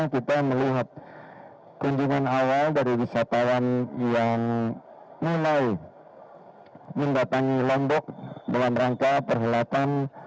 kita melihat kunjungan awal dari wisatawan yang mulai mendatangi lombok dalam rangka perhelatan